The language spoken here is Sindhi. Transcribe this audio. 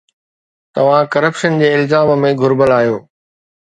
توهان ڪرپشن جي الزامن ۾ گھريل آهيو.